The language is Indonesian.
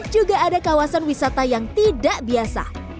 juga ada kawasan wisata yang tidak biasa